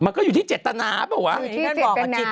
มันก็อยู่ที่เจ็ดตณากัน